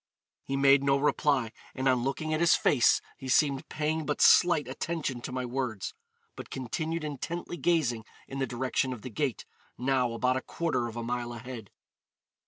He made no reply, and on looking at his face he seemed paying but slight attention to my words, but continued intently gazing in the direction of the gate, now about a quarter of a mile ahead.